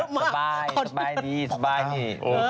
สบายสบายดีสบายดี